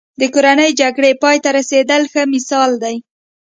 د کورنۍ جګړې پای ته رسېدل یې ښه مثال دی.